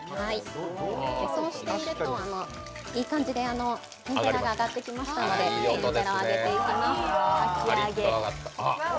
そうしていると、いい感じで天ぷらが揚がってきましたので、天ぷらをあげていきます。